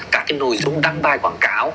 các cái nội dung đăng bài quảng cáo